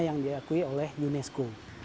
yang diakui oleh unesco